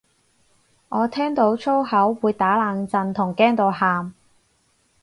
我聽到粗口會打冷震同驚到喊